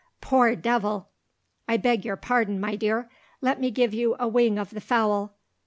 Poor devil! I beg your pardon, my dear; let me give you a wing of the fowl.